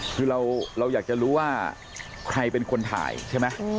คือเราอยากจะรู้ว่าใครเป็นคนถ่ายใช่ไหม